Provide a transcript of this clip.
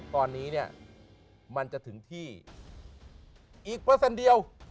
ตอนนี้เนี่ยมันจะถึงที่อีกเปอร์เซ็นต์เดียว